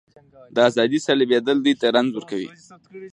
د ازادۍ سلبېدل دوی ته رنځ ورکوي.